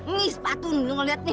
nih sepatu lu gak liat nih